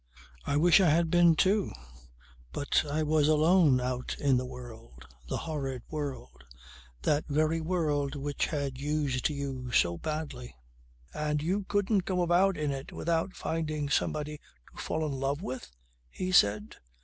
"I wish I had been too. But I was alone out in the world, the horrid world, that very world which had used you so badly." "And you couldn't go about in it without finding somebody to fall in love with?" he said.